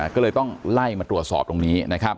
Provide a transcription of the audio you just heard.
ก็เลยต้องไล่มาตรวจสอบตรงนี้